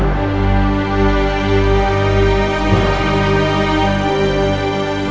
dia menemukan kak kanda